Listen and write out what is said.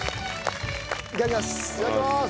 いただきます。